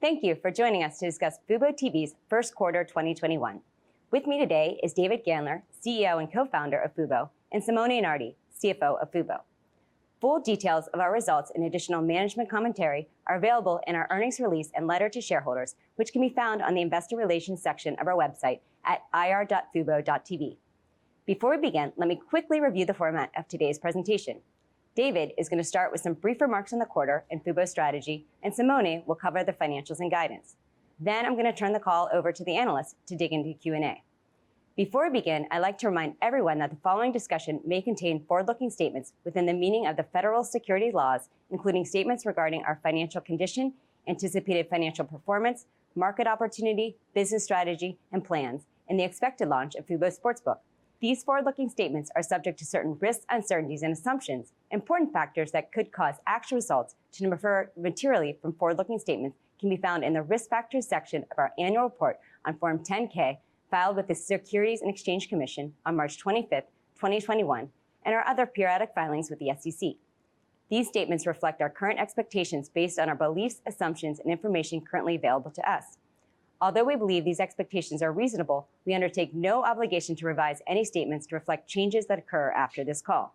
Thank you for joining us to discuss fuboTV's first quarter 2021. With me today is David Gandler, CEO and co-founder of Fubo, and Simone Nardi, CFO of Fubo. Full details of our results and additional management commentary are available in our earnings release and letter to shareholders, which can be found on the investor relations section of our website at ir.fubo.tv. Before we begin, let me quickly review the format of today's presentation. David is going to start with some brief remarks on the quarter and Fubo's strategy, and Simone will cover the financials and guidance. I'm going to turn the call over to the analysts to dig into Q&A. Before we begin, I'd like to remind everyone that the following discussion may contain forward-looking statements within the meaning of the federal securities laws, including statements regarding our financial condition, anticipated financial performance, market opportunity, business strategy and plans, and the expected launch of Fubo Sportsbook. These forward-looking statements are subject to certain risks, uncertainties, and assumptions. Important factors that could cause actual results to differ materially from forward-looking statements can be found in the Risk Factors section of our annual report on Form 10-K, filed with the Securities and Exchange Commission on March 25th, 2021, and our other periodic filings with the SEC. These statements reflect our current expectations based on our beliefs, assumptions, and information currently available to us. Although we believe these expectations are reasonable, we undertake no obligation to revise any statements to reflect changes that occur after this call.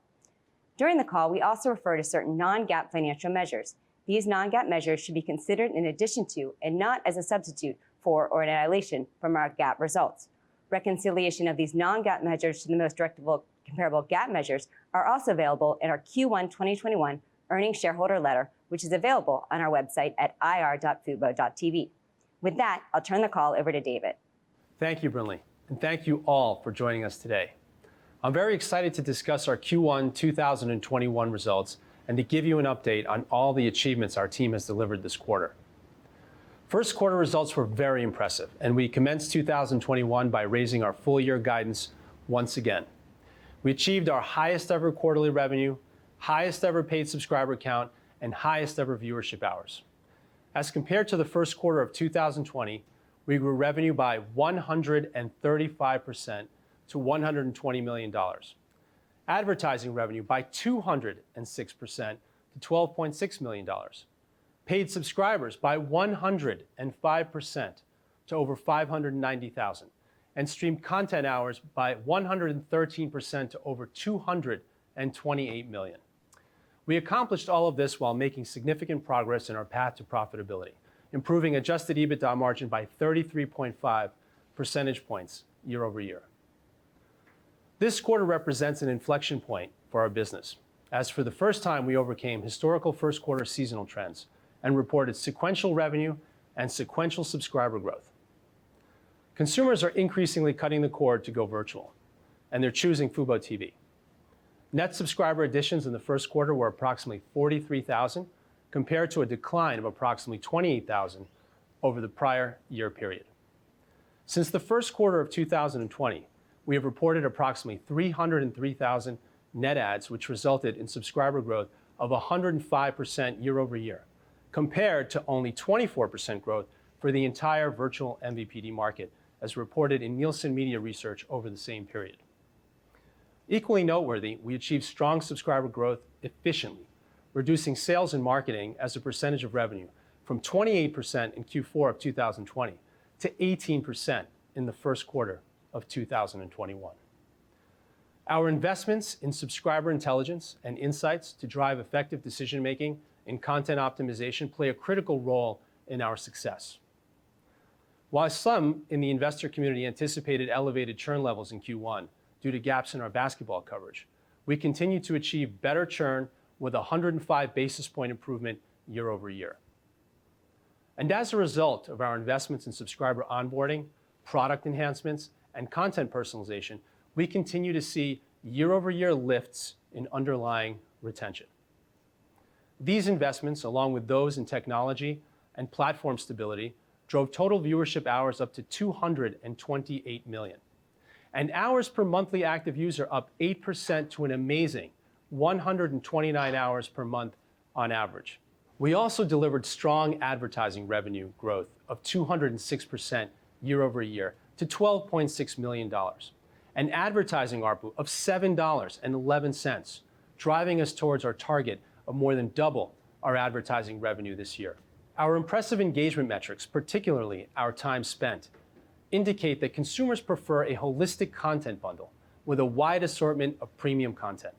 During the call, we also refer to certain non-GAAP financial measures. These non-GAAP measures should be considered in addition to, and not as a substitute for, or a nullification of, our GAAP results. Reconciliation of these non-GAAP measures to the most direct comparable GAAP measures are also available in our Q1 2021 earnings shareholder letter, which is available on our website at ir.fubo.tv. With that, I'll turn the call over to David. Thank you, Brinley, and thank you all for joining us today. I'm very excited to discuss our Q1 2021 results and to give you an update on all the achievements our team has delivered this quarter. First quarter results were very impressive, and we commenced 2021 by raising our full-year guidance once again. We achieved our highest ever quarterly revenue, highest ever paid subscriber count, and highest ever viewership hours. As compared to the first quarter of 2020, we grew revenue by 135% to $120 million, advertising revenue by 206% to $12.6 million, paid subscribers by 105% to over 590,000, and streamed content hours by 113% to over 228 million. We accomplished all of this while making significant progress in our path to profitability, improving adjusted EBITDA margin by 33.5 percentage points year-over-year. This quarter represents an inflection point for our business, as for the first time we overcame historical first quarter seasonal trends and reported sequential revenue and sequential subscriber growth. Consumers are increasingly cutting the cord to go virtual, and they're choosing fuboTV. Net subscriber additions in the first quarter were approximately 43,000, compared to a decline of approximately 28,000 over the prior year period. Since the first quarter of 2020, we have reported approximately 303,000 net adds, which resulted in subscriber growth of 105% year-over-year, compared to only 24% growth for the entire virtual MVPD market, as reported in Nielsen Media Research over the same period. Equally noteworthy, we achieved strong subscriber growth efficiently, reducing sales and marketing as a percentage of revenue from 28% in Q4 2020 to 18% in the first quarter of 2021. Our investments in subscriber intelligence and insights to drive effective decision-making and content optimization play a critical role in our success. While some in the investor community anticipated elevated churn levels in Q1 due to gaps in our basketball coverage, we continued to achieve better churn with 105 basis points improvement year-over-year. As a result of our investments in subscriber onboarding, product enhancements, and content personalization, we continue to see year-over-year lifts in underlying retention. These investments, along with those in technology and platform stability, drove total viewership hours up to 228 million, and hours per monthly active user up 8% to an amazing 129 hours per month on average. We also delivered strong advertising revenue growth of 206% year-over-year to $12.6 million, and advertising ARPU of $7.11, driving us towards our target of more than double our advertising revenue this year. Our impressive engagement metrics, particularly our time spent, indicate that consumers prefer a holistic content bundle with a wide assortment of premium content.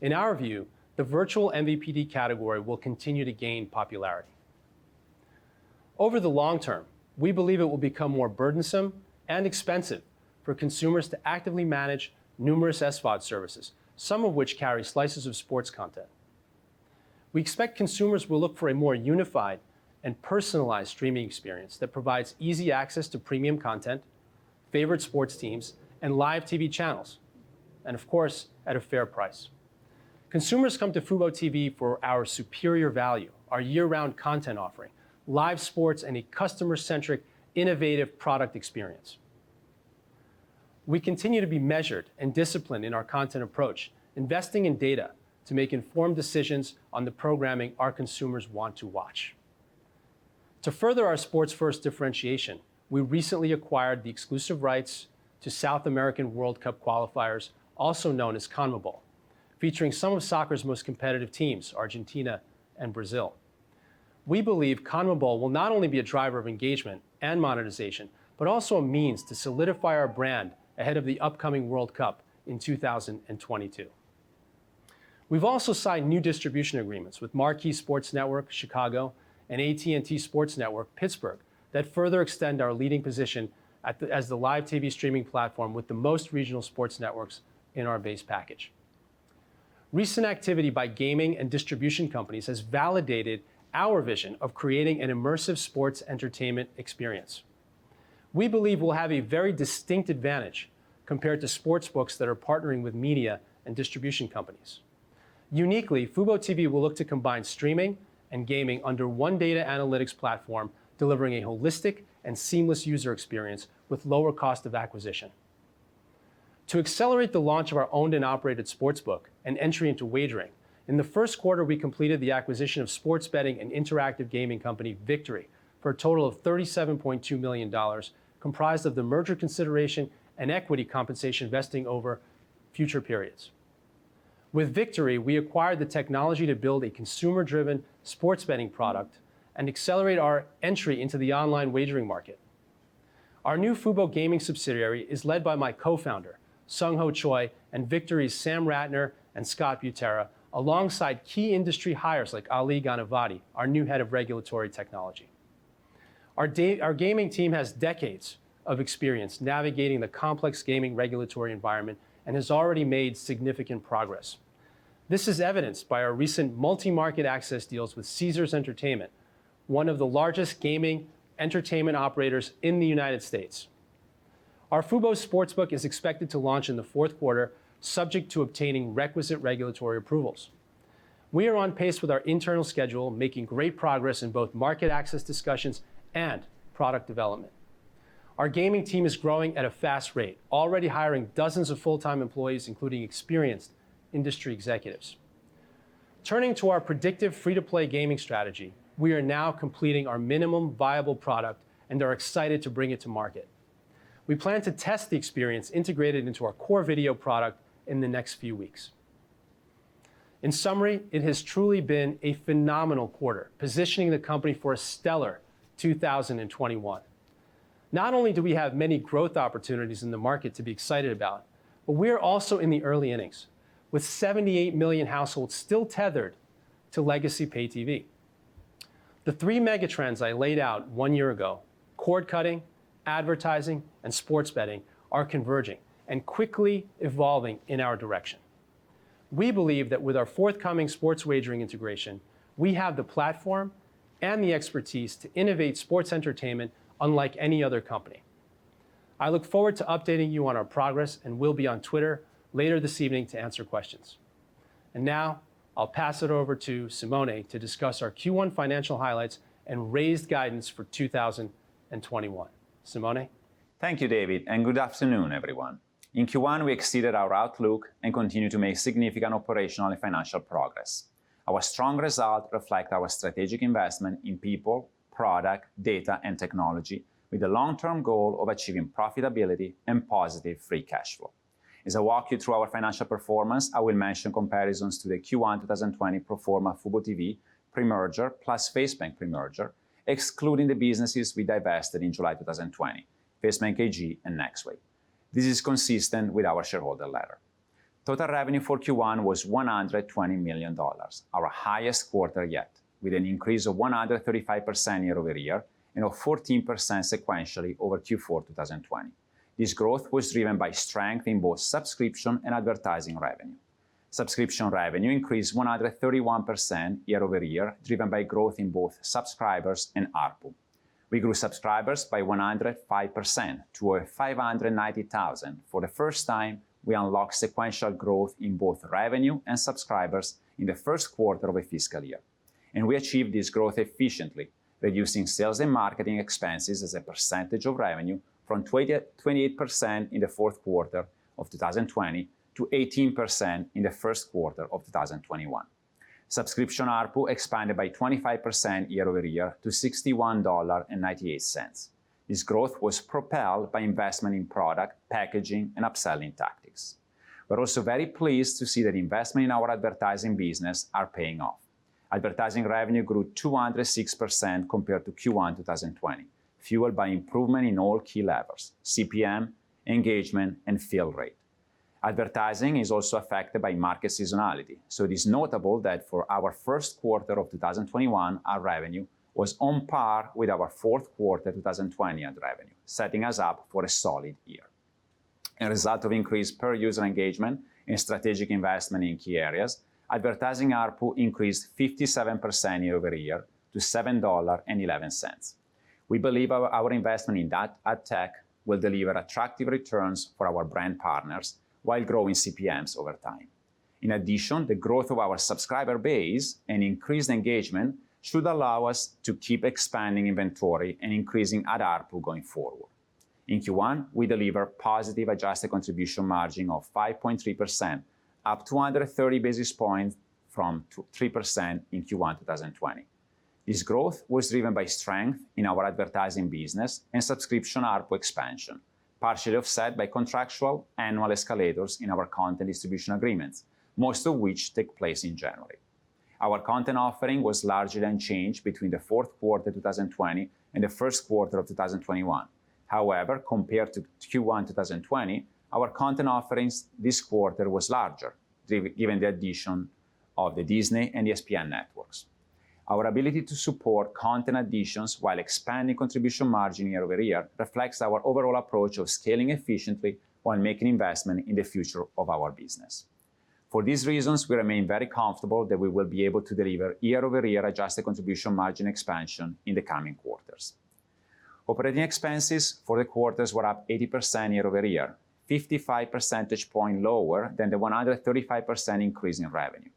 In our view, the virtual MVPD category will continue to gain popularity. Over the long term, we believe it will become more burdensome and expensive for consumers to actively manage numerous SVOD services, some of which carry slices of sports content. We expect consumers will look for a more unified and personalized streaming experience that provides easy access to premium content, favorite sports teams, and live TV channels, and of course, at a fair price. Consumers come to fuboTV for our superior value, our year-round content offering, live sports, and a customer-centric, innovative product experience. We continue to be measured and disciplined in our content approach, investing in data to make informed decisions on the programming our consumers want to watch. To further our sports first differentiation, we recently acquired the exclusive rights to South American World Cup qualifiers, also known as CONMEBOL, featuring some of soccer's most competitive teams, Argentina and Brazil. We believe CONMEBOL will not only be a driver of engagement and monetization, but also a means to solidify our brand ahead of the upcoming World Cup in 2022. We've also signed new distribution agreements with Marquee Sports Network Chicago and AT&T SportsNet Pittsburgh that further extend our leading position as the live TV streaming platform with the most regional sports networks in our base package. Recent activity by gaming and distribution companies has validated our vision of creating an immersive sports entertainment experience. We believe we'll have a very distinct advantage compared to sportsbooks that are partnering with media and distribution companies. Uniquely, fuboTV will look to combine streaming and gaming under one data analytics platform, delivering a holistic and seamless user experience with lower cost of acquisition. To accelerate the launch of our owned and operated sportsbook and entry into wagering, in the first quarter, we completed the acquisition of sports betting and interactive gaming company, Vigtory, for a total of $37.2 million, comprised of the merger consideration and equity compensation vesting over future periods. With Vigtory, we acquired the technology to build a consumer-driven sports betting product and accelerate our entry into the online wagering market. Our new Fubo Gaming subsidiary is led by my Co-Founder, Sung Ho Choi, and Vigtory's Sam Rattner and Scott Butera, alongside key industry hires like Ali Ghanavati, our new Head of Regulatory Technology. Our gaming team has decades of experience navigating the complex gaming regulatory environment and has already made significant progress. This is evidenced by our recent multi-market access deals with Caesars Entertainment, one of the largest gaming entertainment operators in the United States. Our Fubo Sportsbook is expected to launch in the fourth quarter, subject to obtaining requisite regulatory approvals. We are on pace with our internal schedule, making great progress in both market access discussions and product development. Our gaming team is growing at a fast rate, already hiring dozens of full-time employees, including experienced industry executives. Turning to our predictive free-to-play gaming strategy, we are now completing our minimum viable product and are excited to bring it to market. We plan to test the experience integrated into our core video product in the next few weeks. In summary, it has truly been a phenomenal quarter, positioning the company for a stellar 2021. Not only do we have many growth opportunities in the market to be excited about, but we are also in the early innings, with 78 million households still tethered to legacy pay TV. The three mega trends I laid out one year ago, cord cutting, advertising, and sports betting, are converging and quickly evolving in our direction. We believe that with our forthcoming sports wagering integration, we have the platform and the expertise to innovate sports entertainment unlike any other company. I look forward to updating you on our progress and will be on Twitter later this evening to answer questions. Now I'll pass it over to Simone to discuss our Q1 financial highlights and raised guidance for 2021. Simone? Thank you, David, and good afternoon, everyone. In Q1, we exceeded our outlook and continue to make significant operational and financial progress. Our strong results reflect our strategic investment in people, product, data, and technology, with the long-term goal of achieving profitability and positive free cash flow. As I walk you through our financial performance, I will mention comparisons to the Q1 2020 pro forma fuboTV pre-merger plus FaceBank pre-merger, excluding the businesses we divested in July 2020, FaceBank AG and Nexway. This is consistent with our shareholder letter. Total revenue for Q1 was $120 million, our highest quarter yet, with an increase of 135% year-over-year and 14% sequentially over Q4 2020. This growth was driven by strength in both subscription and advertising revenue. Subscription revenue increased 131% year-over-year, driven by growth in both subscribers and ARPU. We grew subscribers by 105% to 590,000. For the first time, we unlocked sequential growth in both revenue and subscribers in the first quarter of a fiscal year. We achieved this growth efficiently, reducing sales and marketing expenses as a percentage of revenue from 28% in the fourth quarter of 2020 to 18% in the first quarter of 2021. Subscription ARPU expanded by 25% year-over-year to $61.98. This growth was propelled by investment in product, packaging, and upselling tactics. We're also very pleased to see that investment in our advertising business are paying off. Advertising revenue grew 206% compared to Q1 2020, fueled by improvement in all key levers, CPM, engagement, and fill rate. Advertising is also affected by market seasonality, so it is notable that for our first quarter of 2021, our revenue was on par with our fourth quarter 2020 revenue, setting us up for a solid year. A result of increased per-user engagement and strategic investment in key areas, advertising ARPU increased 57% year-over-year to $7.11. We believe our investment in ad tech will deliver attractive returns for our brand partners while growing CPMs over time. In addition, the growth of our subscriber base and increased engagement should allow us to keep expanding inventory and increasing ad ARPU going forward. In Q1, we deliver positive adjusted contribution margin of 5.3%, up 230 basis points from 3% in Q1 2020. This growth was driven by strength in our advertising business and subscription ARPU expansion, partially offset by contractual annual escalators in our content distribution agreements, most of which take place in January. Our content offering was largely unchanged between the fourth quarter 2020 and the first quarter of 2021. However, compared to Q1 2020, our content offerings this quarter was larger, given the addition of the Disney and ESPN networks. Our ability to support content additions while expanding contribution margin year-over-year reflects our overall approach of scaling efficiently while making investment in the future of our business. For these reasons, we remain very comfortable that we will be able to deliver year-over-year adjusted contribution margin expansion in the coming quarters. Operating expenses for the quarters were up 80% year-over-year, 55 percentage point lower than the 135% increase in revenue.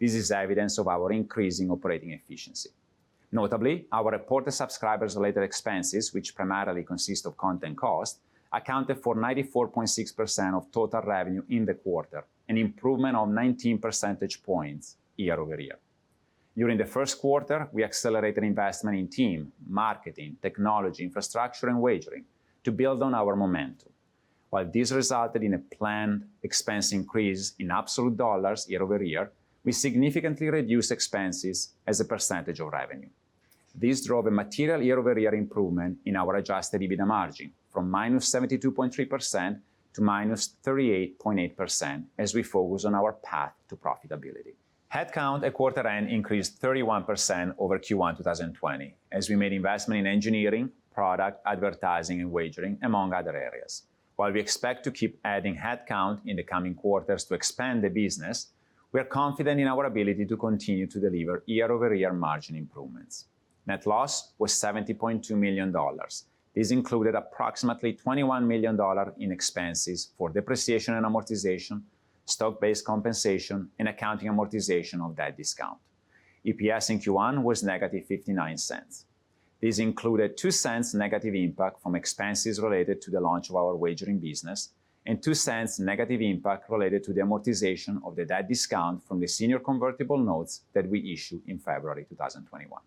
This is evidence of our increasing operating efficiency. Notably, our reported subscribers-related expenses, which primarily consist of content costs, accounted for 94.6% of total revenue in the quarter, an improvement of 19 percentage points year-over-year. During the first quarter, we accelerated investment in team, marketing, technology, infrastructure, and wagering to build on our momentum. While this resulted in a planned expense increase in absolute dollars year-over-year, we significantly reduced expenses as a percentage of revenue. This drove a material year-over-year improvement in our adjusted EBITDA margin from -72.3%--38.8% as we focus on our path to profitability. Headcount at quarter end increased 31% over Q1 2020 as we made investment in engineering, product, advertising, and wagering, among other areas. While we expect to keep adding headcount in the coming quarters to expand the business, we are confident in our ability to continue to deliver year-over-year margin improvements. Net loss was $70.2 million. This included approximately $21 million in expenses for depreciation and amortization, stock-based compensation, and accounting amortization of that discount. EPS in Q1 was -$0.59. This included $0.02 negative impact from expenses related to the launch of our wagering business and $0.02 negative impact related to the amortization of the debt discount from the senior convertible notes that we issued in February 2021.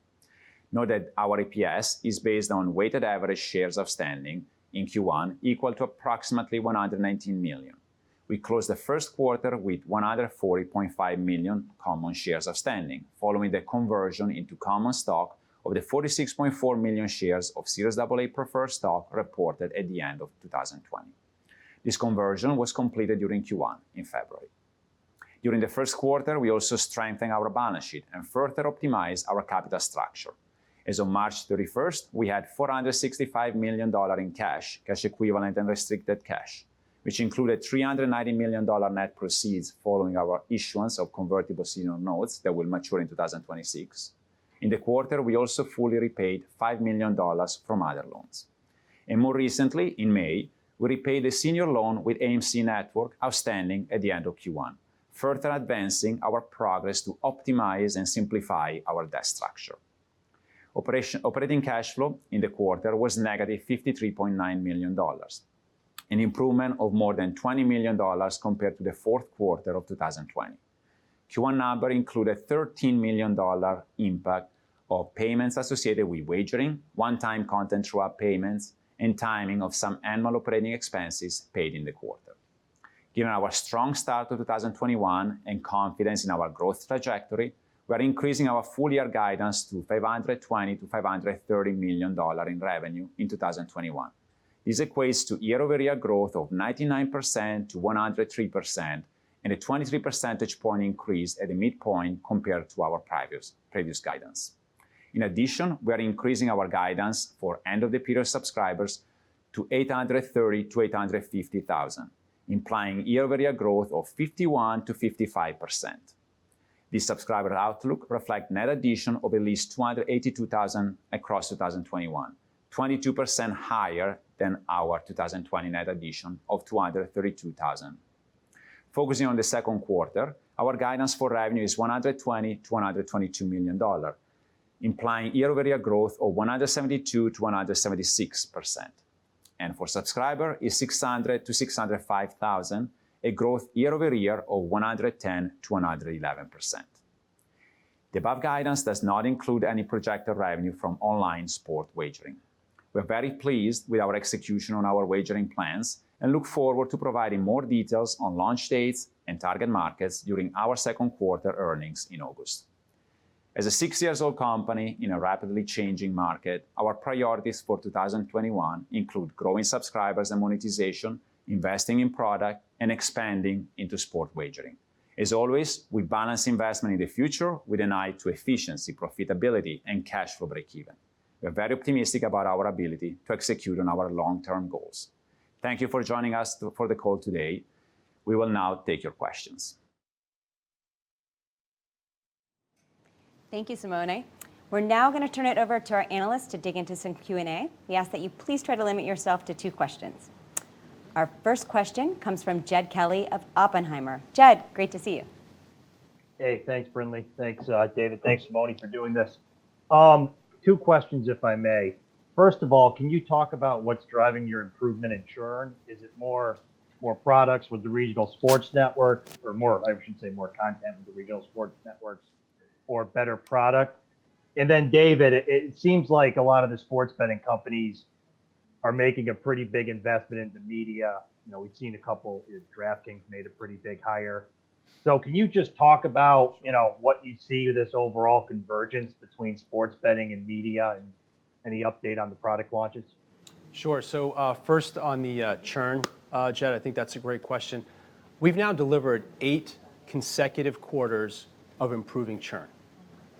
Note that our EPS is based on weighted average shares outstanding in Q1 equal to approximately $119 million. We closed the first quarter with $140.5 million common shares outstanding, following the conversion into common stock of the $46.4 million shares of Series AA preferred stock reported at the end of 2020. This conversion was completed during Q1 in February. During the first quarter, we also strengthened our balance sheet and further optimized our capital structure. As of March 31st, we had $465 million in cash equivalent, and restricted cash, which included $390 million net proceeds following our issuance of convertible senior notes that will mature in 2026. In the quarter, we also fully repaid $5 million from other loans. More recently, in May, we repaid the senior loan with AMC Networks outstanding at the end of Q1, further advancing our progress to optimize and simplify our debt structure. Operating cash flow in the quarter was negative $53.9 million, an improvement of more than $20 million compared to the fourth quarter of 2020. Q1 number included a $13 million impact of payments associated with wagering, one-time content through our payments, and timing of some annual operating expenses paid in the quarter. Given our strong start to 2021 and confidence in our growth trajectory, we're increasing our full-year guidance to $520 million-$530 million in revenue in 2021. This equates to year-over-year growth of 99%-103%, and a 23 percentage point increase at the midpoint compared to our previous guidance. In addition, we are increasing our guidance for end-of-the-period subscribers to $830,000-$850,000, implying year-over-year growth of 51%-55%. This subscriber outlook reflects net addition of at least 282,000 across 2021, 22% higher than our 2020 net addition of 232,000. Focusing on the second quarter, our guidance for revenue is $120 million-$122 million, implying year-over-year growth of 172%-176%. For subscriber, is 600,000-605,000, a growth year-over-year of 110%-111%. The above guidance does not include any projected revenue from online sport wagering. We're very pleased with our execution on our wagering plans and look forward to providing more details on launch dates and target markets during our second quarter earnings in August. As a six-year-old company in a rapidly changing market, our priorities for 2021 include growing subscribers and monetization, investing in product, and expanding into sport wagering. As always, we balance investment in the future with an eye to efficiency, profitability, and cash for breakeven. We're very optimistic about our ability to execute on our long-term goals. Thank you for joining us for the call today. We will now take your questions. Thank you, Simone. We're now going to turn it over to our analysts to dig into some Q&A. We ask that you please try to limit yourself to two questions. Our first question comes from Jed Kelly of Oppenheimer. Jed, great to see you. Hey, thanks Brinley. Thanks, David. Thanks, Simone for doing this. Two questions, if I may. First of all, can you talk about what's driving your improvement in churn? Is it more products with the regional sports network, or I should say more content with the regional sports networks or a better product? David, it seems like a lot of the sports betting companies are making a pretty big investment into media. We've seen a couple, DraftKings made a pretty big hire. Can you just talk about what you see this overall convergence between sports betting and media and any update on the product launches? Sure. First on the churn, Jed, I think that's a great question. We've now delivered eight consecutive quarters of improving churn.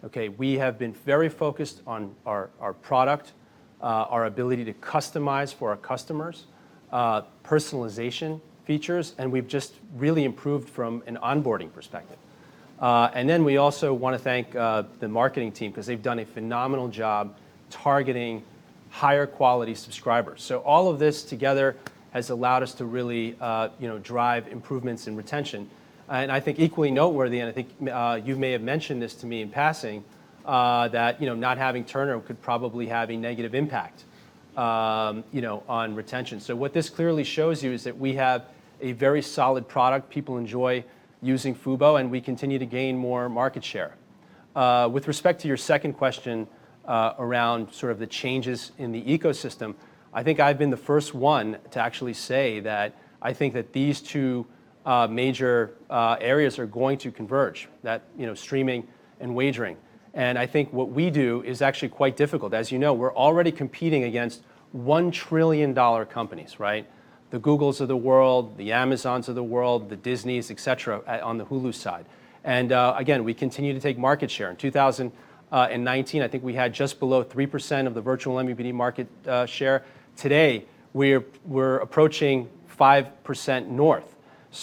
Okay. We have been very focused on our product, our ability to customize for our customers, personalization features, and we've just really improved from an onboarding perspective. We also want to thank the marketing team because they've done a phenomenal job targeting higher quality subscribers. All of this together has allowed us to really drive improvements in retention. I think equally noteworthy, and I think you may have mentioned this to me in passing, that not having churn could probably have a negative impact on retention. What this clearly shows you is that we have a very solid product, people enjoy using fubo, and we continue to gain more market share. With respect to your second question, around sort of the changes in the ecosystem, I think I've been the first one to actually say that I think that these two major areas are going to converge, streaming and wagering. I think what we do is actually quite difficult. As you know, we're already competing against $1 trillion companies, right? The Googles of the world, the Amazons of the world, the Disneys, et cetera, on the Hulu side. Again, we continue to take market share. In 2019, I think we had just below 3% of the virtual MVPD market share. Today, we're approaching 5% north.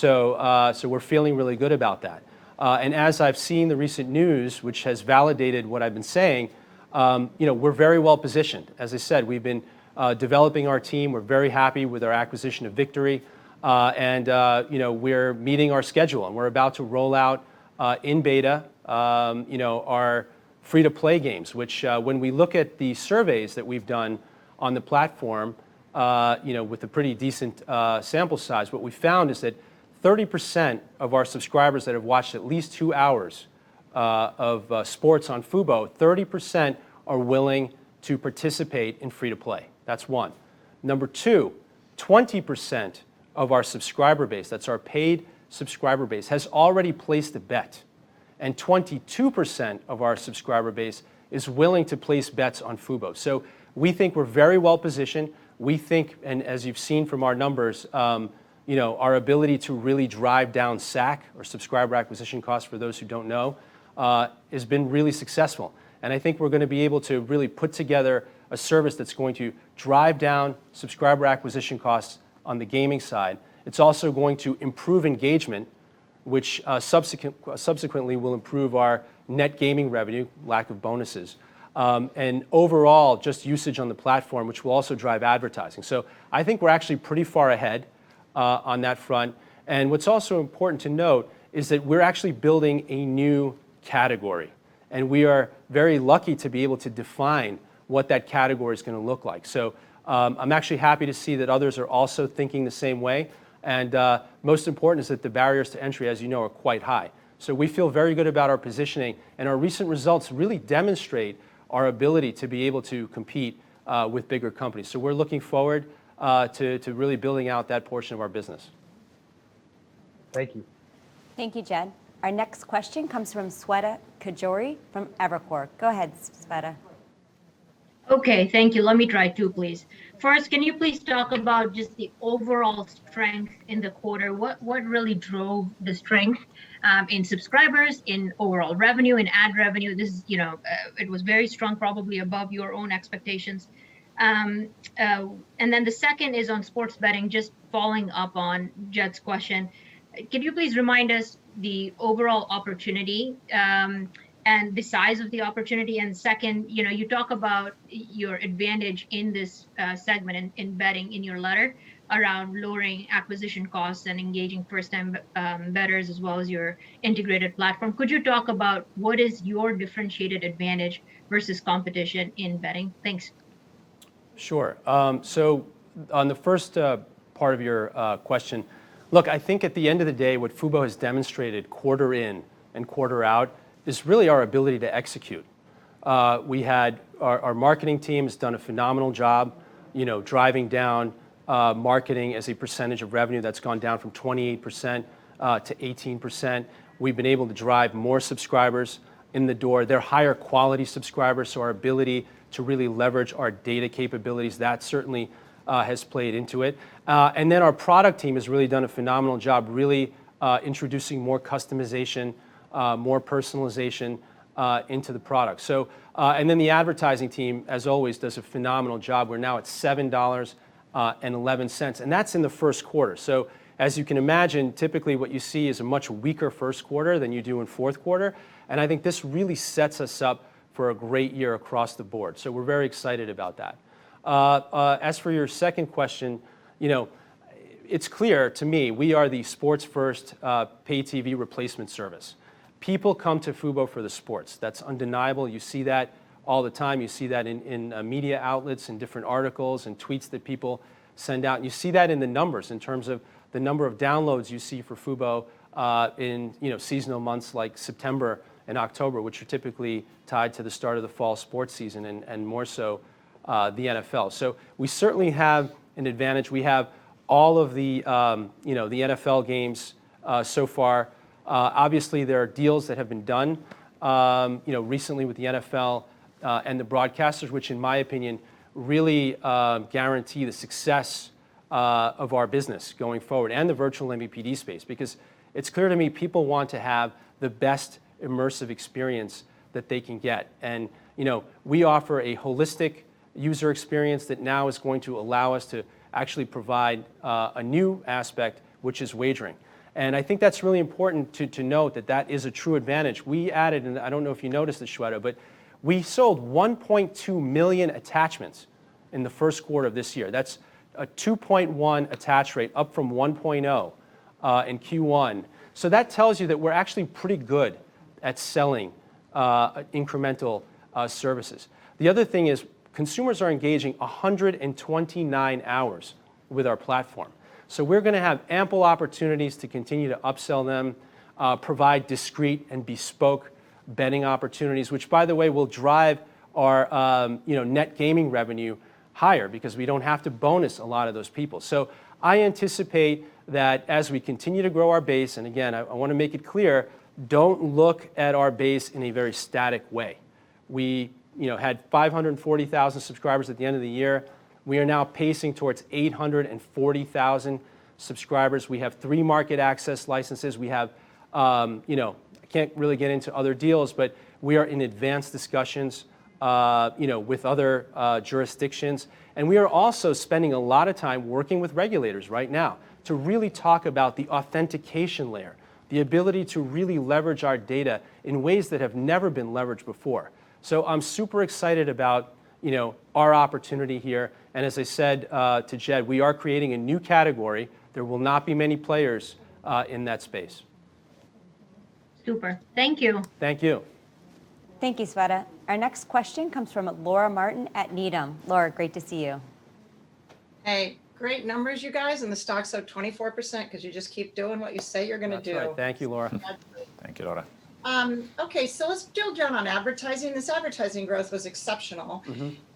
We're feeling really good about that. As I've seen the recent news, which has validated what I've been saying, we're very well positioned. As I said, we've been developing our team. We're very happy with our acquisition of Vigtory. We're meeting our schedule, and we're about to roll out, in beta, our free-to-play games. Which, when we look at the surveys that we've done on the platform with a pretty decent sample size, what we've found is that 30% of our subscribers that have watched at least two hours of sports on Fubo, 30% are willing to participate in free to play. That's one. Number two, 20% of our subscriber base, that's our paid subscriber base, has already placed a bet. 22% of our subscriber base is willing to place bets on Fubo. We think we're very well positioned. We think, and as you've seen from our numbers, our ability to really drive down SAC, or subscriber acquisition cost for those who don't know, has been really successful. I think we're going to be able to really put together a service that's going to drive down subscriber acquisition costs on the gaming side. It's also going to improve engagement, which subsequently will improve our net gaming revenue, lack of bonuses, overall, just usage on the platform, which will also drive advertising. I think we're actually pretty far ahead on that front. What's also important to note is that we're actually building a new category, and we are very lucky to be able to define what that category is going to look like. I'm actually happy to see that others are also thinking the same way. Most important is that the barriers to entry, as you know, are quite high. We feel very good about our positioning, and our recent results really demonstrate our ability to be able to compete with bigger companies. We're looking forward to really building out that portion of our business. Thank you. Thank you, Jed. Our next question comes from Shweta Khajuria from Evercore. Go ahead, Shweta. Okay. Thank you. Let me try, too, please. First, can you please talk about just the overall strength in the quarter? What really drove the strength in subscribers, in overall revenue, in ad revenue? It was very strong, probably above your own expectations. The second is on sports betting, just following up on Jed's question. Can you please remind us the overall opportunity, and the size of the opportunity? Second, you talk about your advantage in this segment in betting in your letter around lowering acquisition costs and engaging first-time bettors, as well as your integrated platform. Could you talk about what is your differentiated advantage versus competition in betting? Thanks. On the first part of your question, look, I think at the end of the day, what Fubo has demonstrated quarter in and quarter out is really our ability to execute. Our marketing team has done a phenomenal job driving down marketing as a percentage of revenue. That's gone down from 28% to 18%. We've been able to drive more subscribers in the door. They're higher quality subscribers, our ability to really leverage our data capabilities, that certainly has played into it. Our product team has really done a phenomenal job, really introducing more customization, more personalization into the product. The advertising team, as always, does a phenomenal job. We're now at $7.11, that's in the first quarter. As you can imagine, typically what you see is a much weaker first quarter than you do in fourth quarter. I think this really sets us up for a great year across the board. We're very excited about that. As for your second question, it's clear to me, we are the sports first pay TV replacement service. People come to Fubo for the sports. That's undeniable. You see that all the time. You see that in media outlets and different articles and tweets that people send out, and you see that in the numbers, in terms of the number of downloads you see for Fubo in seasonal months like September and October, which are typically tied to the start of the fall sports season, and more so, the NFL. We certainly have an advantage. We have all of the NFL games so far. Obviously there are deals that have been done recently with the NFL and the broadcasters, which in my opinion, really guarantee the success of our business going forward and the virtual MVPD space because it's clear to me people want to have the best immersive experience that they can get. We offer a holistic user experience that now is going to allow us to actually provide a new aspect, which is wagering. I think that's really important to note that that is a true advantage. We added, and I don't know if you noticed this, Shweta, but we sold 1.2 million attachments in the first quarter of this year. That's a 2.1 attach rate up from 1.0 in Q1. That tells you that we're actually pretty good at selling incremental services. The other thing is consumers are engaging 129 hours with our platform. We're going to have ample opportunities to continue to upsell them, provide discreet and bespoke betting opportunities, which by the way will drive our net gaming revenue higher because we don't have to bonus a lot of those people. I anticipate that as we continue to grow our base, and again, I want to make it clear, don't look at our base in a very static way. We had 540,000 subscribers at the end of the year. We are now pacing towards 840,000 subscribers. We have three market access licenses. We can't really get into other deals, but we are in advanced discussions with other jurisdictions, and we are also spending a lot of time working with regulators right now to really talk about the authentication layer, the ability to really leverage our data in ways that have never been leveraged before. I'm super excited about our opportunity here, and as I said to Jed, we are creating a new category. There will not be many players in that space. Super. Thank you. Thank you. Thank you, Shweta Khajuria. Our next question comes from Laura Martin at Needham. Laura, great to see you. Hey, great numbers you guys. The stock's up 24% because you just keep doing what you say you're going to do. That's right. Thank you, Laura. Thank you, Laura. Okay, let's drill down on advertising. This advertising growth was exceptional.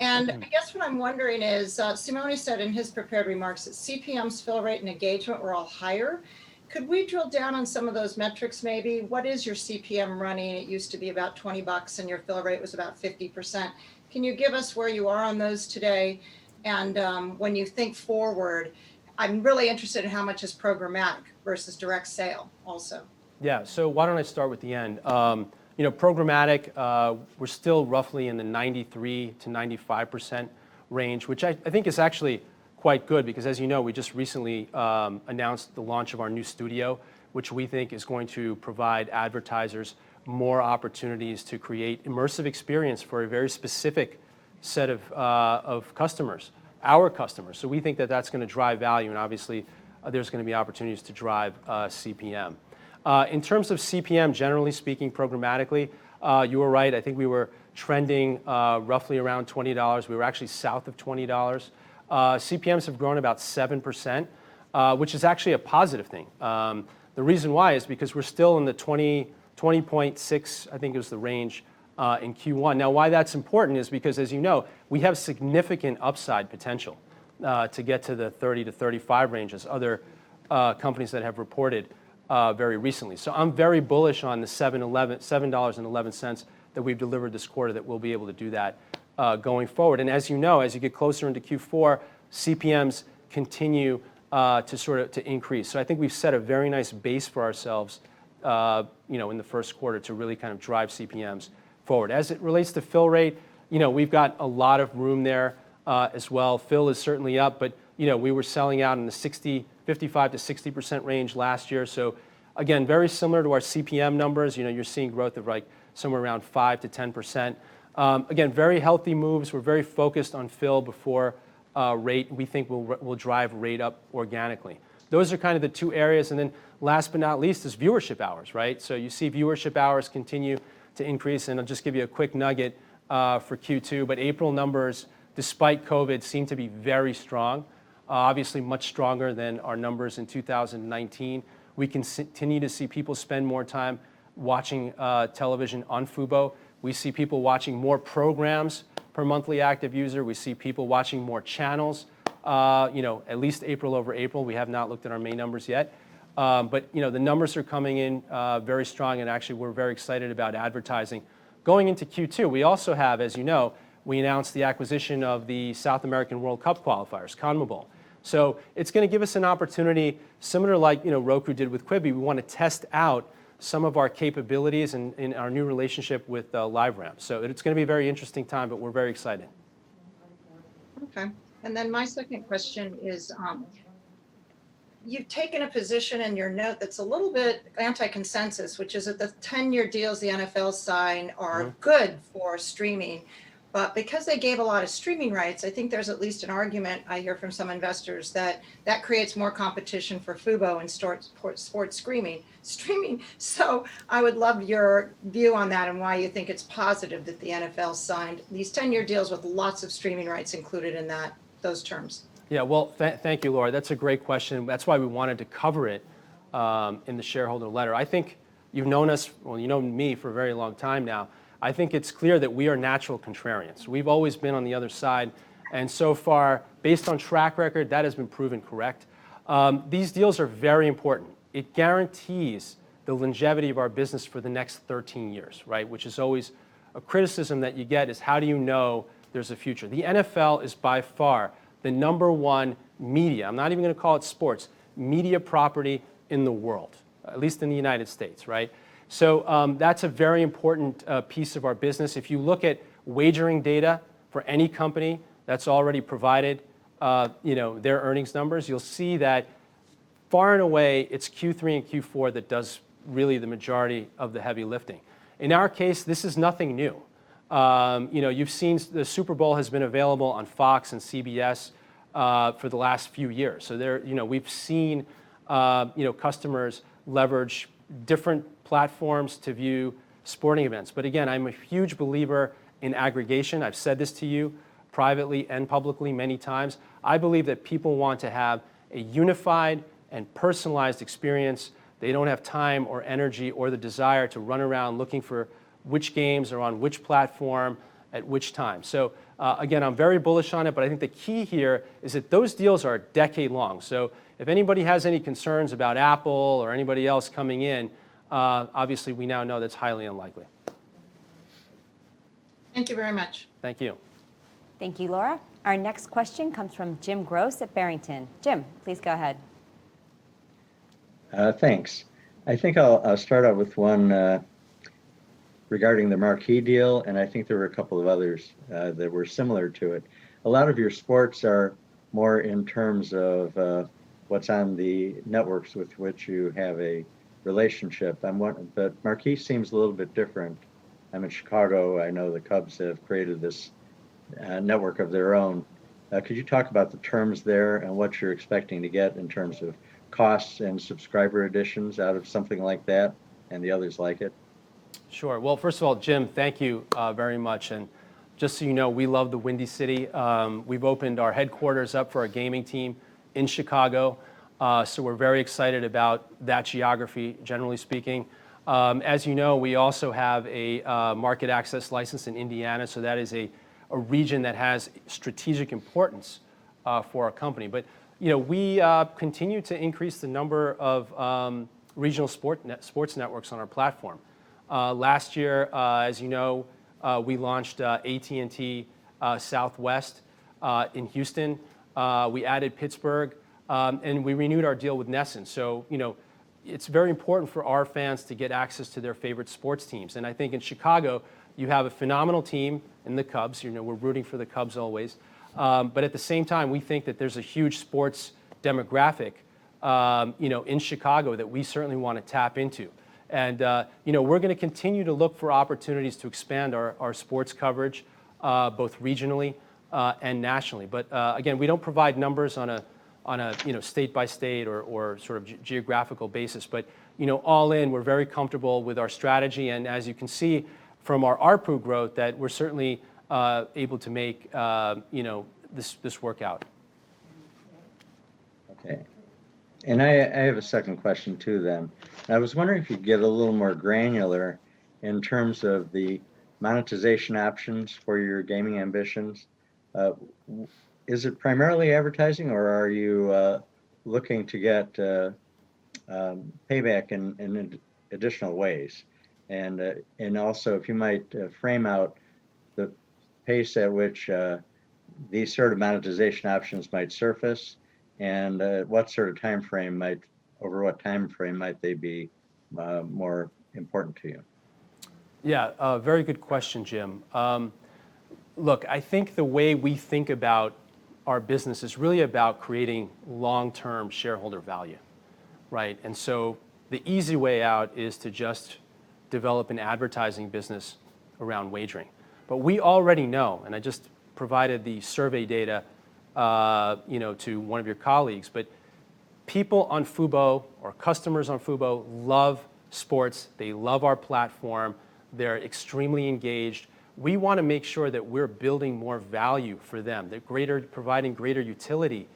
I guess what I'm wondering is, Simone said in his prepared remarks that CPMs, fill rate, and engagement were all higher. Could we drill down on some of those metrics, maybe? What is your CPM running? It used to be about $20, and your fill rate was about 50%. Can you give us where you are on those today? When you think forward, I'm really interested in how much is programmatic versus direct sale also. Yeah. Why don't I start with the end. Programmatic, we're still roughly in the 93%-95% range, which I think is actually quite good because as you know, we just recently announced the launch of our new studio, which we think is going to provide advertisers more opportunities to create immersive experience for a very specific set of customers, our customers. We think that that's going to drive value, and obviously there's going to be opportunities to drive CPM. In terms of CPM, generally speaking programmatically, you are right, I think we were trending roughly around $20. We were actually south of $20. CPMs have grown about 7%, which is actually a positive thing. The reason why is because we're still in the $20.6, I think it was the range, in Q1. Why that's important is because as you know, we have significant upside potential to get to the 30-35 ranges other companies that have reported very recently. I'm very bullish on the $7.11 that we've delivered this quarter, that we'll be able to do that going forward. As you know, as you get closer into Q4, CPMs continue to increase. I think we've set a very nice base for ourselves in the first quarter to really drive CPMs forward. As it relates to fill rate, we've got a lot of room there as well. Fill is certainly up, but we were selling out in the 55%-60% range last year. Again, very similar to our CPM numbers. You're seeing growth of somewhere around 5%-10%. Again, very healthy moves. We're very focused on fill before rate. We think we'll drive rate up organically. Those are kind of the two areas. Last but not least is viewership hours, right. You see viewership hours continue to increase, and I'll just give you a quick nugget for Q2. April numbers, despite COVID, seem to be very strong, obviously much stronger than our numbers in 2019. We continue to see people spend more time watching television on Fubo. We see people watching more programs per monthly active user. We see people watching more channels. At least April over April. We have not looked at our main numbers yet. The numbers are coming in very strong and actually we're very excited about advertising. Going into Q2, we also have, as you know, we announced the acquisition of the South American World Cup qualifiers, CONMEBOL. It's going to give us an opportunity similar like Roku did with Quibi. We want to test out some of our capabilities in our new relationship with LiveRamp. It's going to be a very interesting time, but we're very excited. My second question is, you've taken a position in your note that's a little bit anti-consensus, which is that the 10-year deals the NFL sign are good for streaming. Because they gave a lot of streaming rights, I think there's at least an argument I hear from some investors that that creates more competition for Fubo and sports streaming. I would love your view on that and why you think it's positive that the NFL signed these 10-year deals with lots of streaming rights included in those terms. Well, thank you, Laura. That's a great question. That's why we wanted to cover it in the shareholder letter. I think you've known us, well, you've known me for a very long time now. I think it's clear that we are natural contrarians. We've always been on the other side, and so far, based on track record, that has been proven correct. These deals are very important. It guarantees the longevity of our business for the next 13 years, right? Which is always a criticism that you get is, how do you know there's a future? The NFL is by far the number one media, I'm not even going to call it sports, media property in the world, at least in the United States, right? That's a very important piece of our business. If you look at wagering data for any company that's already provided their earnings numbers, you'll see that far and away, it's Q3 and Q4 that does really the majority of the heavy lifting. In our case, this is nothing new. You've seen the Super Bowl has been available on Fox and CBS for the last few years. We've seen customers leverage different platforms to view sporting events. Again, I'm a huge believer in aggregation. I've said this to you privately and publicly many times. I believe that people want to have a unified and personalized experience. They don't have time or energy or the desire to run around looking for which games are on which platform at which time. Again, I'm very bullish on it, but I think the key here is that those deals are a decade long. If anybody has any concerns about Apple or anybody else coming in, obviously we now know that's highly unlikely. Thank you very much. Thank you. Thank you, Laura. Our next question comes from Jim Goss at Barrington. Jim, please go ahead. Thanks. I think I'll start out with one regarding the Marquee. I think there were a couple of others that were similar to it. A lot of your sports are more in terms of what's on the networks with which you have a relationship. Marquee seems a little bit different. I'm in Chicago. I know the Cubs have created this network of their own. Could you talk about the terms there and what you're expecting to get in terms of costs and subscriber additions out of something like that and the others like it? Sure. Well, first of all, Jim, thank you very much. Just so you know, we love the Windy City. We've opened our headquarters up for a gaming team in Chicago. We're very excited about that geography, generally speaking. As you know, we also have a market access license in Indiana, so that is a region that has strategic importance for our company. We continue to increase the number of regional sports networks on our platform. Last year, as you know, we launched AT&T Southwest in Houston. We added Pittsburgh, and we renewed our deal with NESN. It's very important for our fans to get access to their favorite sports teams. I think in Chicago, you have a phenomenal team in the Cubs. We're rooting for the Cubs always. At the same time, we think that there's a huge sports demographic in Chicago that we certainly want to tap into. We're going to continue to look for opportunities to expand our sports coverage both regionally and nationally. Again, we don't provide numbers on a state-by-state or geographical basis. All in, we're very comfortable with our strategy, and as you can see from our ARPU growth, that we're certainly able to make this work out. Okay. I have a second question too, then. I was wondering if you'd get a little more granular in terms of the monetization options for your gaming ambitions. Is it primarily advertising, or are you looking to get payback in additional ways? Also, if you might frame out the pace at which these sort of monetization options might surface and over what time frame might they be more important to you? Yeah. Very good question, Jim. Look, I think the way we think about our business is really about creating long-term shareholder value, right? The easy way out is to just develop an advertising business around wagering. We already know, and I just provided the survey data to one of your colleagues, but people on Fubo or customers on Fubo love sports. They love our platform. They're extremely engaged. We want to make sure that we're building more value for them, that providing greater utility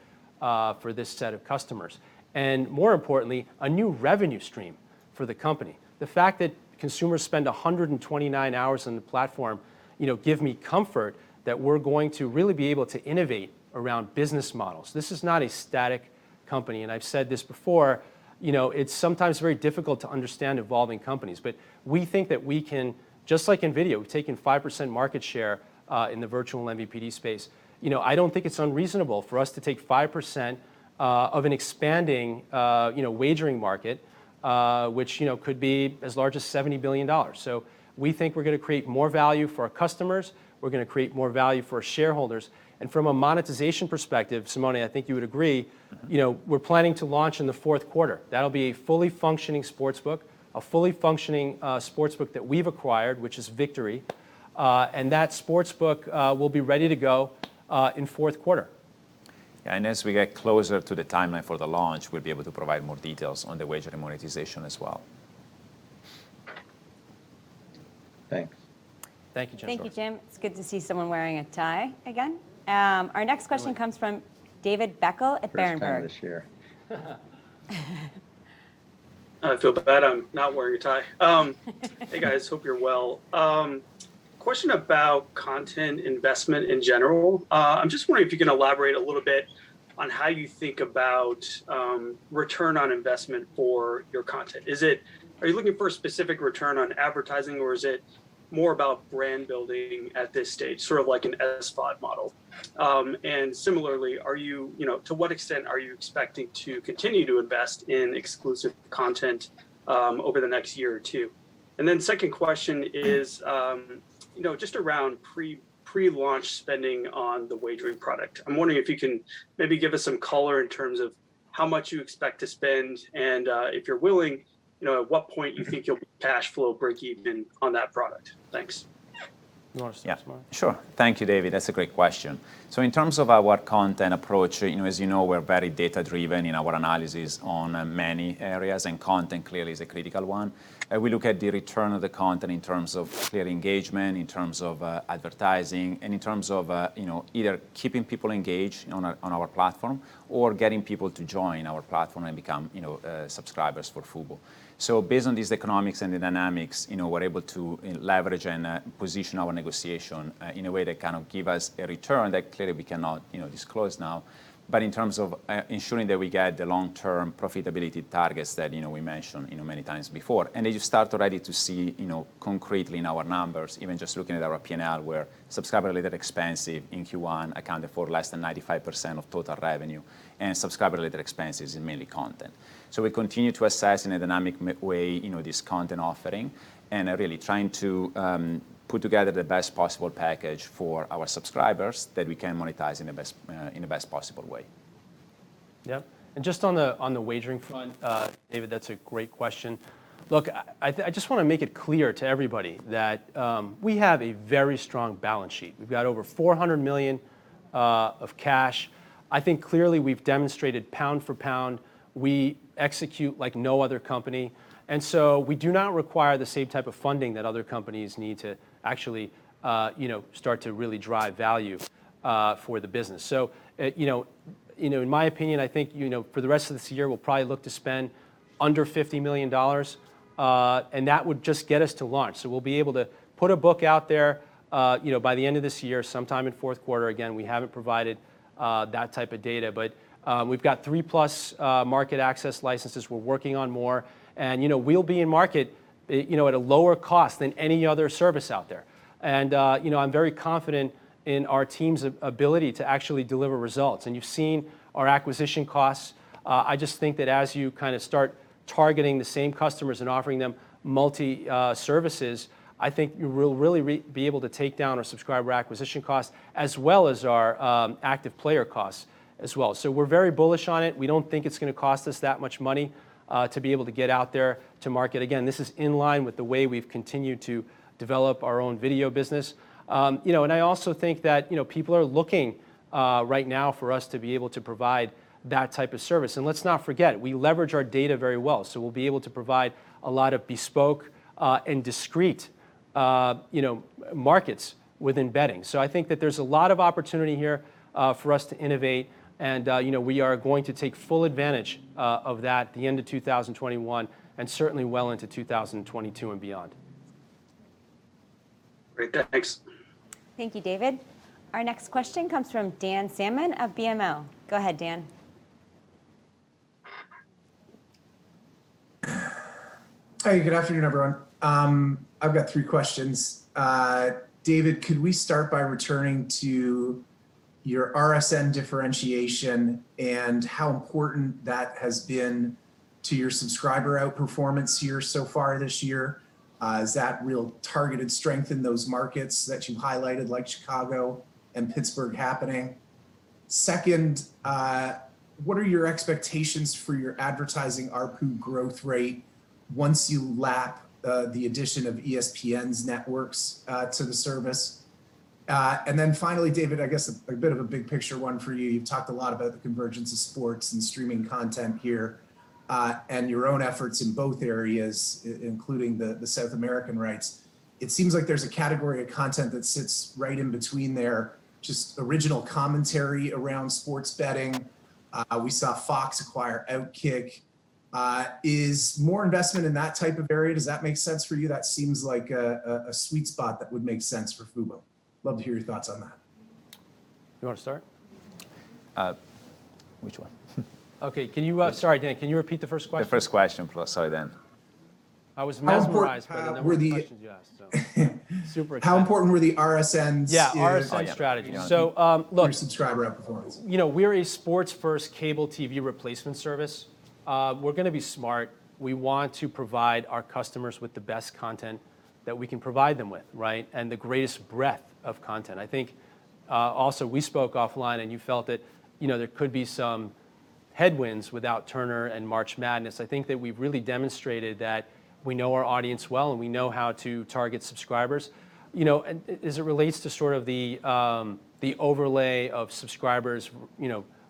for this set of customers. More importantly, a new revenue stream for the company. The fact that consumers spend 129 hours on the platform give me comfort that we're going to really be able to innovate around business models. This is not a static company, and I've said this before. It's sometimes very difficult to understand evolving companies. We think that we can, just like in video, we've taken 5% market share in the virtual MVPD space. I don't think it's unreasonable for us to take 5% of an expanding wagering market, which could be as large as $70 billion. We think we're going to create more value for our customers, we're going to create more value for our shareholders. From a monetization perspective, Simone, I think you would agree, we're planning to launch in the fourth quarter. That'll be a fully functioning sportsbook, a fully functioning sportsbook that we've acquired, which is Vigtory. That sportsbook will be ready to go in the fourth quarter. Yeah, as we get closer to the timeline for the launch, we'll be able to provide more details on the wager and monetization as well. Thanks. Thank you, Jim. Thank you, Jim. It's good to see someone wearing a tie again. Our next question comes from David Beckel at Berenberg. First time this year. I feel bad I'm not wearing a tie. Hey, guys. Hope you're well. Question about content investment in general. I'm just wondering if you can elaborate a little bit on how you think about return on investment for your content. Are you looking for a specific return on advertising, or is it more about brand building at this stage, sort of like an S-curve model? Similarly, to what extent are you expecting to continue to invest in exclusive content over the next year or two? Then second question is just around pre-launch spending on the wagering product. I'm wondering if you can maybe give us some color in terms of how much you expect to spend and, if you're willing, at what point you think you'll be cash flow breakeven on that product. Thanks. You want to start, Simone? Sure. Thank you, David. That's a great question. In terms of our content approach, as you know, we're very data-driven in our analysis on many areas, and content clearly is a critical one. We look at the return of the content in terms of clear engagement, in terms of advertising, and in terms of either keeping people engaged on our platform or getting people to join our platform and become subscribers for Fubo. Based on these economics and the dynamics, we're able to leverage and position our negotiation in a way that kind of give us a return that clearly we cannot disclose now, but in terms of ensuring that we get the long-term profitability targets that we mentioned many times before. You start already to see concretely in our numbers, even just looking at our P&L, where subscriber-related expenses in Q1 accounted for less than 95% of total revenue, and subscriber-related expenses is mainly content. We continue to assess in a dynamic way this content offering and are really trying to put together the best possible package for our subscribers that we can monetize in the best possible way. Yeah. Just on the wagering front, David, that's a great question. Look, I just want to make it clear to everybody that we have a very strong balance sheet. We've got over $400 million of cash. I think clearly we've demonstrated pound for pound, we execute like no other company. We do not require the same type of funding that other companies need to actually start to really drive value for the business. In my opinion, I think for the rest of this year, we'll probably look to spend under $50 million, and that would just get us to launch. We'll be able to put a book out there by the end of this year, sometime in fourth quarter. Again, we haven't provided that type of data, but we've got 3-plus market access licenses. We're working on more. We'll be in market at a lower cost than any other service out there. I'm very confident in our team's ability to actually deliver results. You've seen our acquisition costs. I just think that as you kind of start targeting the same customers and offering them multi-services, I think we'll really be able to take down our subscriber acquisition cost as well as our active player costs as well. We're very bullish on it. We don't think it's going to cost us that much money to be able to get out there to market. Again, this is in line with the way we've continued to develop our own video business. I also think that people are looking right now for us to be able to provide that type of service. Let's not forget, we leverage our data very well, so we'll be able to provide a lot of bespoke and discrete markets within betting. I think that there's a lot of opportunity here for us to innovate, and we are going to take full advantage of that at the end of 2021 and certainly well into 2022 and beyond. Great. Thanks. Thank you, David. Our next question comes from Dan Salmon of BMO. Go ahead, Dan. Hey, good afternoon, everyone. I've got three questions. David, could we start by returning to your RSN differentiation and how important that has been to your subscriber outperformance year so far this year? Is that real targeted strength in those markets that you highlighted, like Chicago and Pittsburgh happening? Second, what are your expectations for your advertising ARPU growth rate once you lap the addition of ESPN's networks to the service? Then finally, David, I guess a bit of a big picture one for you. You've talked a lot about the convergence of sports and streaming content here, and your own efforts in both areas, including the South American rights. It seems like there's a category of content that sits right in between there, just original commentary around sports betting. We saw Fox acquire OutKick. Is more investment in that type of area, does that make sense for you? That seems like a sweet spot that would make sense for Fubo. Love to hear your thoughts on that. You want to start? Which one? Okay. Sorry, Dan, can you repeat the first question? The first question. Sorry, Dan. I was mesmerized by the number of questions you asked, so super excited. How important were the RSNs? Yeah, RSN strategy. for your subscriber performance? Look, we're a sports first cable TV replacement service. We're going to be smart. We want to provide our customers with the best content that we can provide them with, right? The greatest breadth of content. I think also we spoke offline and you felt that there could be some headwinds without Turner and March Madness. I think that we've really demonstrated that we know our audience well, and we know how to target subscribers. As it relates to sort of the overlay of subscribers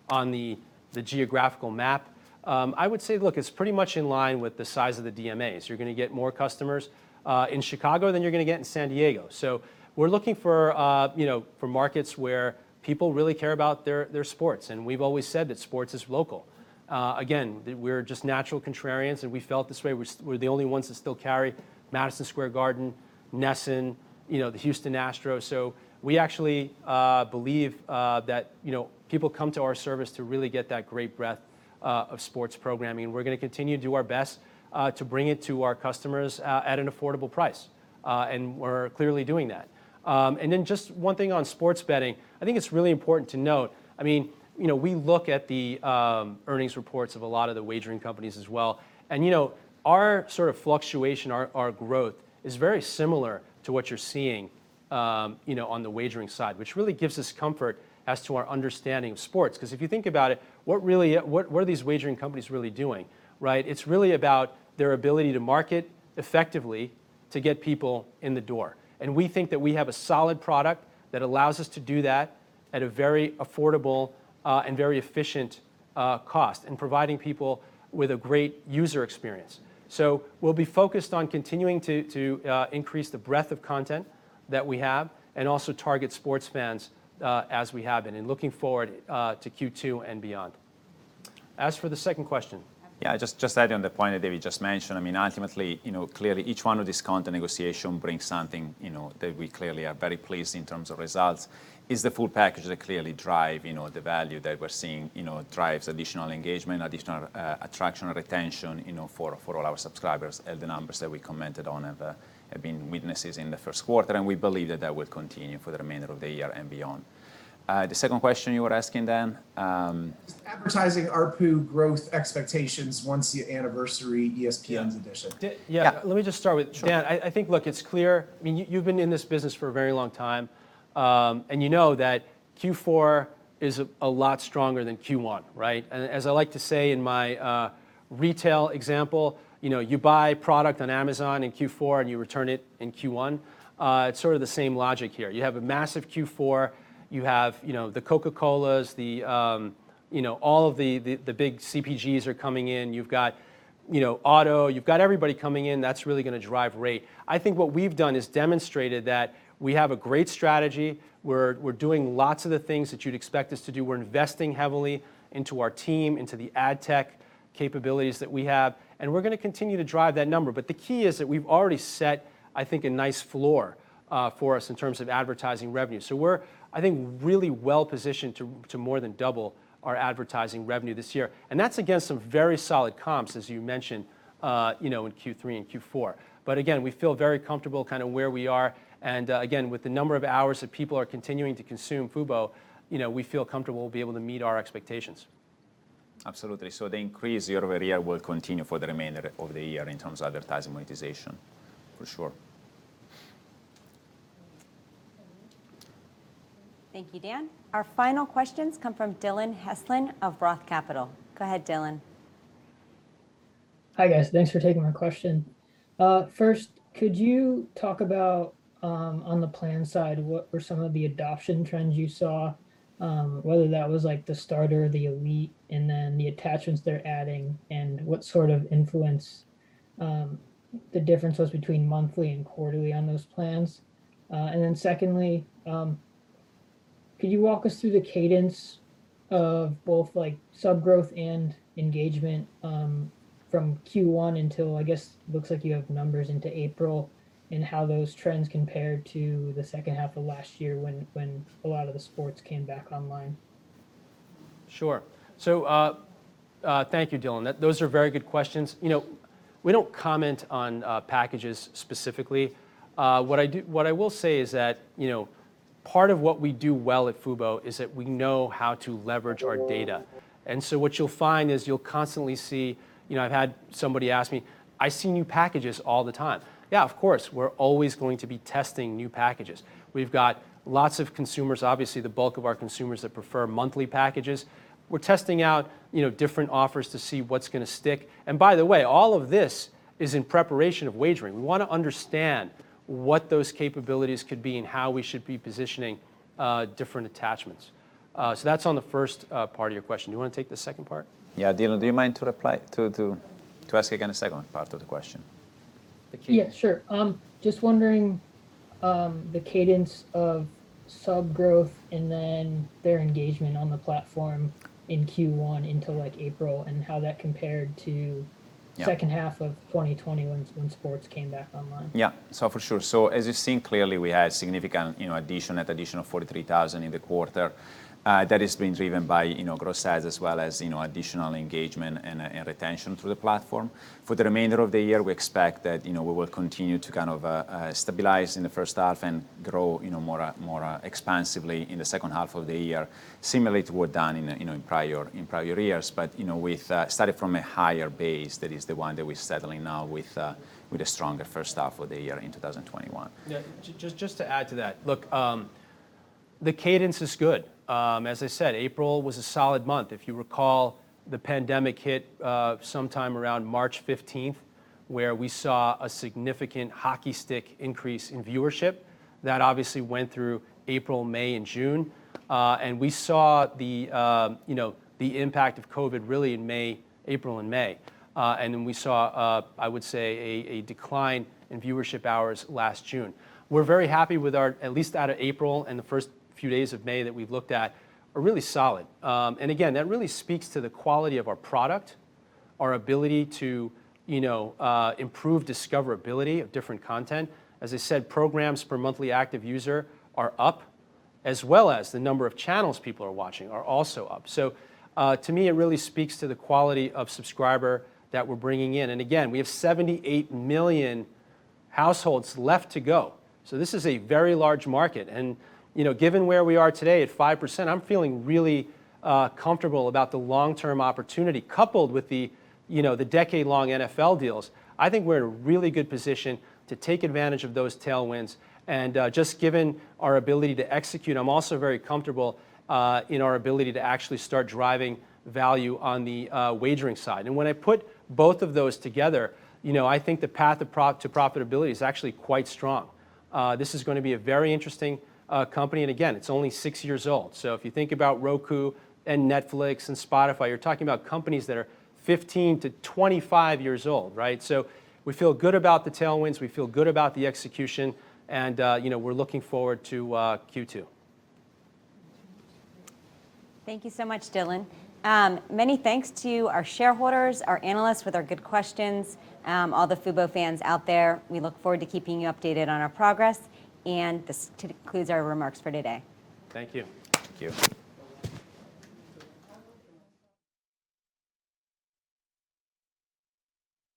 on the geographical map, I would say, look, it's pretty much in line with the size of the DMAs. You're going to get more customers in Chicago than you're going to get in San Diego. We're looking for markets where people really care about their sports, and we've always said that sports is local. We're just natural contrarians, and we felt this way. We're the only ones that still carry Madison Square Garden, NESN, the Houston Astros. We actually believe that people come to our service to really get that great breadth of sports programming. We're going to continue to do our best to bring it to our customers at an affordable price. We're clearly doing that. Just one thing on sports betting. I think it's really important to note, we look at the earnings reports of a lot of the wagering companies as well, and our sort of fluctuation, our growth is very similar to what you're seeing on the wagering side, which really gives us comfort as to our understanding of sports. If you think about it, what are these wagering companies really doing, right? It's really about their ability to market effectively to get people in the door, and we think that we have a solid product that allows us to do that at a very affordable and very efficient cost in providing people with a great user experience. We'll be focused on continuing to increase the breadth of content that we have and also target sports fans as we have been, and looking forward to Q2 and beyond. For the second question. Yeah, just adding on the point that David just mentioned, ultimately, clearly each one of these content negotiation brings something that we clearly are very pleased in terms of results. It's the full package that clearly drive the value that we're seeing drives additional engagement, additional attraction, or retention for all our subscribers. The numbers that we commented on have been witnesses in the first quarter, and we believe that that will continue for the remainder of the year and beyond. The second question you were asking, Dan? Advertising ARPU growth expectations once the anniversary ESPN's edition. Yeah. Let me just start with Dan. I think, look, it's clear. You've been in this business for a very long time, and you know that Q4 is a lot stronger than Q1, right? As I like to say in my retail example, you buy product on Amazon in Q4 and you return it in Q1. It's sort of the same logic here. You have a massive Q4. You have the Coca-Colas, all of the big CPGs are coming in. You've got auto. You've got everybody coming in. That's really going to drive rate. I think what we've done is demonstrated that we have a great strategy. We're doing lots of the things that you'd expect us to do. We're investing heavily into our team, into the ad tech capabilities that we have, and we're going to continue to drive that number. The key is that we've already set, I think, a nice floor for us in terms of advertising revenue. We're, I think, really well positioned to more than double our advertising revenue this year, and that's against some very solid comps, as you mentioned, in Q3 and Q4. Again, we feel very comfortable kind of where we are, and again, with the number of hours that people are continuing to consume Fubo, we feel comfortable we'll be able to meet our expectations. Absolutely. The increase year-over-year will continue for the remainder of the year in terms of advertising monetization, for sure. Thank you, Dan. Our final questions come from Dillon Heslin of ROTH Capital. Go ahead, Dillon. Hi, guys. Thanks for taking my question. First, could you talk about, on the plan side, what were some of the adoption trends you saw, whether that was like the Starter, the Elite, and then the attachments they're adding, and what sort of influence the difference was between monthly and quarterly on those plans? Secondly, could you walk us through the cadence of both sub growth and engagement from Q1 until, I guess, looks like you have numbers into April, and how those trends compared to the second half of last year when a lot of the sports came back online? Sure. Thank you, Dillon. Those are very good questions. We don't comment on packages specifically. What I will say is that part of what we do well at Fubo is that we know how to leverage our data. What you'll find is you'll constantly see I've had somebody ask me, "I see new packages all the time." Yeah, of course. We're always going to be testing new packages. We've got lots of consumers, obviously the bulk of our consumers that prefer monthly packages. We're testing out different offers to see what's going to stick. By the way, all of this is in preparation of wagering. We want to understand what those capabilities could be and how we should be positioning different attachments. That's on the first part of your question. Do you want to take the second part? Yeah. Dillon, do you mind to ask again the second part of the question? Just wondering the cadence of sub growth and then their engagement on the platform in Q1 into April, and how that compared to second half of 2020 when sports came back online. Yeah. For sure. As you've seen, clearly, we had significant addition of 43,000 in the quarter. That has been driven by gross adds as well as additional engagement and retention through the platform. For the remainder of the year, we expect that we will continue to stabilize in the first half and grow more expansively in the second half of the year, similarly to what we've done in prior years. We've started from a higher base. That is the one that we're settling now with a stronger first half of the year in 2021. Just to add to that. Look, the cadence is good. As I said, April was a solid month. If you recall, the pandemic hit sometime around March 15th, where we saw a significant hockey stick increase in viewership. That obviously went through April, May, and June. We saw the impact of COVID really in April and May. We saw, I would say, a decline in viewership hours last June. We are very happy with our, at least out of April and the first few days of May that we have looked at, are really solid. Again, that really speaks to the quality of our product, our ability to improve discoverability of different content. As I said, programs per monthly active user are up, as well as the number of channels people are watching are also up. To me, it really speaks to the quality of subscriber that we're bringing in. Again, we have 78 million households left to go. This is a very large market, and given where we are today at 5%, I'm feeling really comfortable about the long-term opportunity. Coupled with the decade-long NFL deals, I think we're in a really good position to take advantage of those tailwinds. Just given our ability to execute, I'm also very comfortable in our ability to actually start driving value on the wagering side. When I put both of those together, I think the path to profitability is actually quite strong. This is going to be a very interesting company, again, it's only six years old. If you think about Roku and Netflix and Spotify, you're talking about companies that are 15-25 years old. We feel good about the tailwinds, we feel good about the execution, and we're looking forward to Q2. Thank you so much, Dillon. Many thanks to our shareholders, our analysts with their good questions, all the Fubo fans out there. We look forward to keeping you updated on our progress. This concludes our remarks for today. Thank you. Thank you.